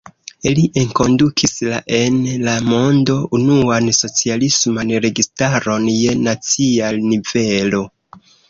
Li enkondukis la en la mondo unuan socialisman registaron je nacia nivelo.